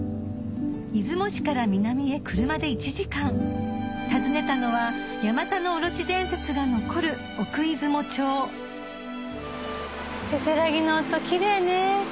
出雲市から南へ車で１時間訪ねたのは八岐大蛇伝説が残る奥出雲町せせらぎの音キレイね。